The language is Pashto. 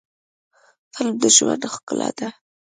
فلم د ژوند ښکلا ده